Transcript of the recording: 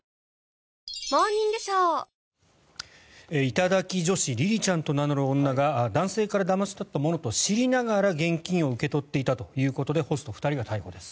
頂き女子りりちゃんと名乗る女が男性からだまし取ったものと知りながら現金を受け取っていたということでホスト２人が逮捕です。